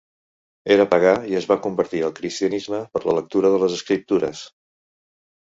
Era pagà i es va convertir al cristianisme per la lectura de les Escriptures.